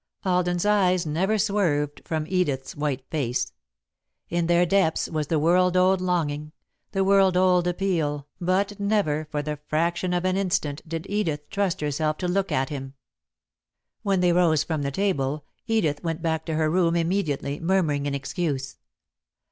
Alden's eyes never swerved from Edith's white face. In their depths was the world old longing, the world old appeal, but never for the fraction of an instant did Edith trust herself to look at him. When they rose from the table, Edith went back to her room immediately, murmuring an excuse.